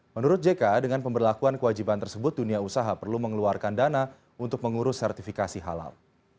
menurut jk dengan pemberlakuan kewajiban tersebut dunia usaha perlu mengeluarkan dana untuk mengurus sertifikasi halal